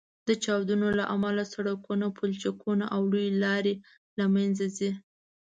د چاودنو له امله سړکونه، پولچکونه او لویې لارې له منځه ځي